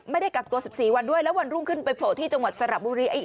ไม่ได้กักตัว๑๔วันด้วยแล้ววันรุ่งขึ้นไปโผล่ที่จังหวัดสระบุรี